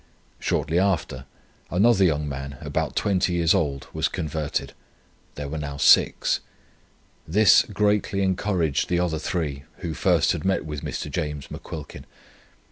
Shortly after, another young man, about 20 years old, was converted; there were now six. This greatly encouraged the other three who first had met with Mr. James McQuilkin.